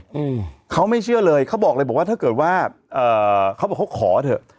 อืมเขาไม่เชื่อเลยเขาบอกเลยบอกว่าถ้าเกิดว่าเอ่อเขาบอกเขาขอเถอะ